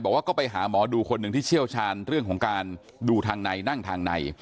บอกว่าก็ไปหาหมอดูคนหนึ่งที่เชี่ยวชาญเรื่องของการดูทางในนั่งทางใน